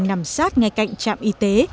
nằm sát ngay cạnh trạm y tế